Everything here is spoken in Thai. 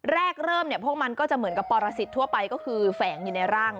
แรกเริ่มเนี่ยพวกมันก็จะเหมือนกับปรสิทธิ์ทั่วไปก็คือแฝงอยู่ในร่าง